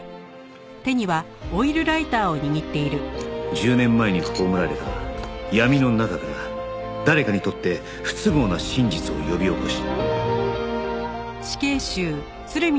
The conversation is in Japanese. １０年前に葬られた闇の中から誰かにとって不都合な真実を呼び起こし